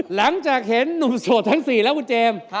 หลังจากเห็นหนุ่มโสดทั้ง๔แล้วคุณเจมส์